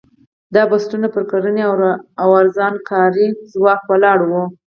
دا بنسټونه پر کرنې او ارزانه کاري ځواک ولاړ وو.